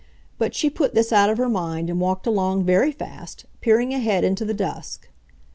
But she put this out of her mind and walked along very fast, peering ahead into the dusk.